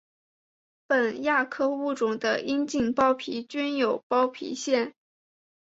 本亚科物种的阴茎包皮均有包皮腺。